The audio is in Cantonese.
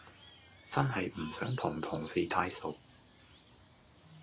真係唔想同同事太熟